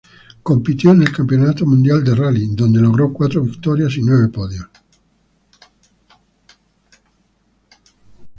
Compitió en el Campeonato Mundial de Rally, donde logró cuatro victorias y nueve podios.